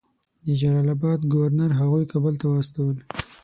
د جلال آباد ګورنر هغوی کابل ته واستول.